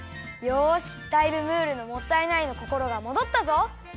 よしだいぶムールの「もったいない」のこころがもどったぞ！